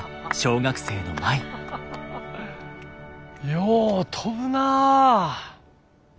よう飛ぶなぁ。